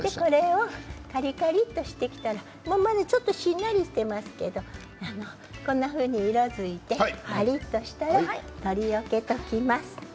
カリカリとしてきたら今はまだしんなりしていますけれどもこんなふうに色づいてカリっとしたらよけておきます。